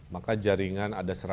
maka jaringan ada seratus